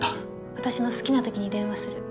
私の好きな時に電話する。